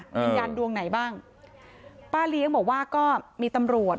วิญญาณดวงไหนบ้างป้าเลี้ยงบอกว่าก็มีตำรวจ